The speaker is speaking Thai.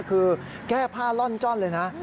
คือแก้ผ้าล่อนจ้อนเลยนะ